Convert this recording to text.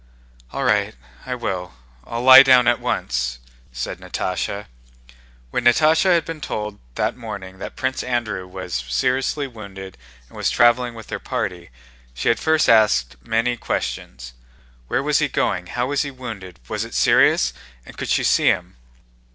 All right, I will. I'll lie down at once," said Natásha. When Natásha had been told that morning that Prince Andrew was seriously wounded and was traveling with their party, she had at first asked many questions: Where was he going? How was he wounded? Was it serious? And could she see him?